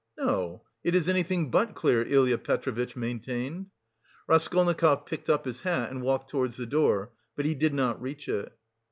"No, it is anything but clear," Ilya Petrovitch maintained. Raskolnikov picked up his hat and walked towards the door, but he did not reach it....